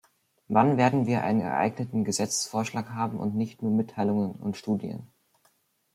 Wann werden wir einen geeigneten Gesetzesvorschlag haben und nicht nur Mitteilungen und Studien?